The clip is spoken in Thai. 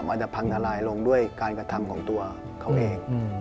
อาจจะพังทลายลงด้วยการกระทำของตัวเขาเอง